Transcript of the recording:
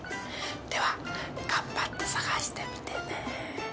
任頑張って探してみてね。